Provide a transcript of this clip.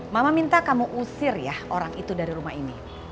mama minta kamu usir ya orang itu dari rumah ini